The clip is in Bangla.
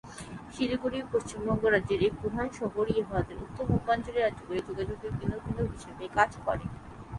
শিলিগুড়ি পশ্চিমবঙ্গ রাজ্যের এক প্রধান শহর, ইহা ভারতের উত্তর পূর্বাঞ্চলের রাজ্যগুলির যোগাযোগের কেন্দ্রবিন্দু হিসেবে কাজ করে।